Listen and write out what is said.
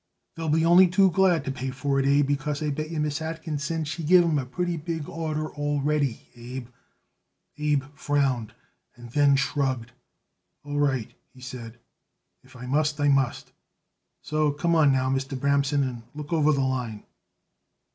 They'll be only too glad to pay for it, Abe, because I bet yer Miss Atkinson she give 'em a pretty big order already, Abe." Abe frowned and then shrugged. "All right," he said; "if I must I must. So come on now, Mr. Bramson, and look over the line."